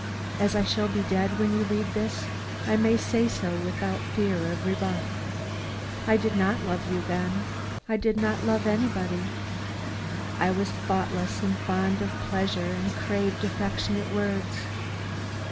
As I shall be dead when you read this, I may say so without fear of rebuff. I did not love you then; I did not love anybody; I was thoughtless and fond of pleasure, and craved affectionate words.